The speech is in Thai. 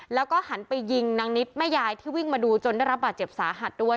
แล้วก็หันไปยิงนางนิดแม่ยายที่วิ่งมาดูจนได้รับบาดเจ็บสาหัสด้วย